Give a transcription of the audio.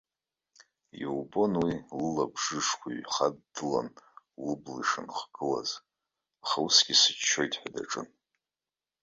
Ибон уи лылабжышқәа ҩхаддылан лыбла ишынхгылаз, аха усгьы сыччоит ҳәа даҿын.